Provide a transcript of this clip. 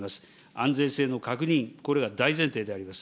安全性の確認、これが大前提であります。